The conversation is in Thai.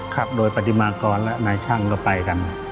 ครับโดยปฏิมากรและนายช่างก็ไปกัน